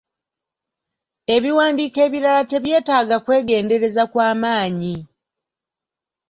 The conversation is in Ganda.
Ebiwandiiko ebirala tebyetaaga kwegendereza kwa maanyi.